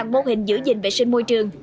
hai mô hình giữ gìn vệ sinh môi trường